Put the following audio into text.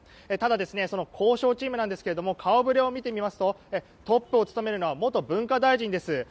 ただ、交渉チームなんですけども顔ぶれを見てみますとトップを務めるのは元文化大臣です。